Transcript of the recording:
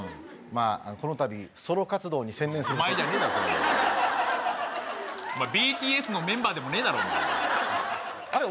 まあこのたびソロ活動に専念するお前じゃねえだろＢＴＳのメンバーでもねえだろあれ